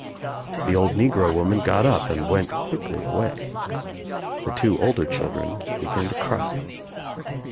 The old negro woman got up and went quickly away. The two older children began to cry.